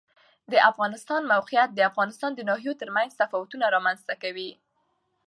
د افغانستان د موقعیت د افغانستان د ناحیو ترمنځ تفاوتونه رامنځ ته کوي.